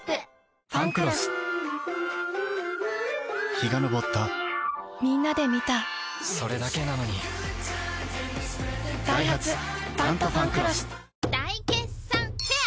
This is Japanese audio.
陽が昇ったみんなで観たそれだけなのにダイハツ「タントファンクロス」大決算フェア